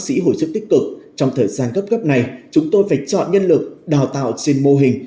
sĩ hồi sức tích cực trong thời gian gấp gấp này chúng tôi phải chọn nhân lực đào tạo trên mô hình